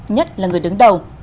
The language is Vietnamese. nhất là người đứng đầu